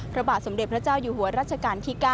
พระบาทสมเด็จพระเจ้าอยู่หัวรัชกาลที่๙